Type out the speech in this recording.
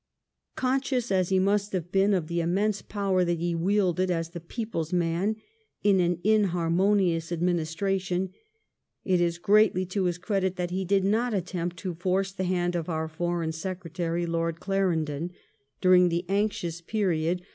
Conscious, as he must have been of the immense power that he wielded as the people's man in an inharmonious administration, it is greatly to his credit that he did not attempt to force the band of our Foreign Secretary, Lord Clarendon, during the anxious period THE ABEBDJEEN MINISTBT.